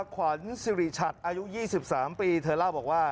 ขวัญสิริชัดอายุ๒๓ปีเธอเล่าบอกว่า